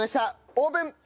オープン！